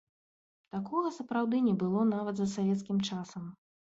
Такога, сапраўды, не было нават за савецкім часам.